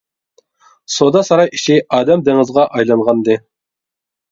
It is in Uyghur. سودا ساراي ئىچى ئادەم دېڭىزىغا ئايلانغانىدى.